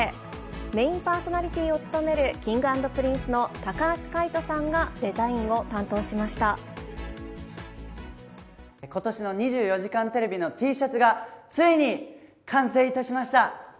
メインパーソナリティーを務めるＫｉｎｇ＆Ｐｒｉｎｃｅの高橋海ことしの２４時間テレビのＴシャツが、ついに完成いたしました。